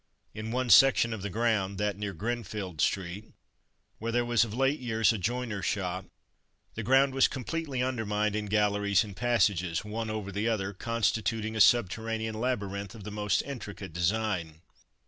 In one section of the ground (that near Grinfield street), where there was of late years a joiner's shop, the ground was completely undermined in galleries and passages, one over the other, constituting a subterranean labyrinth of the most intricate design.